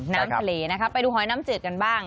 น้ำทะเลนะคะไปดูหอยน้ำจืดกันบ้าง